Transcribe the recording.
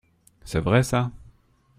C'est vrai, ça …